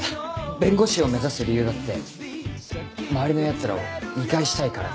弁護士を目指す理由だって周りのやつらを見返したいからで。